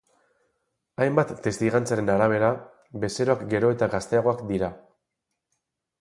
Hainbat testigantzaren arabera, bezeroak gero eta gazteagoak dira.